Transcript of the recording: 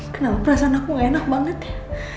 kenapa perasaan aku enak banget ya